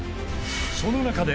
［その中で］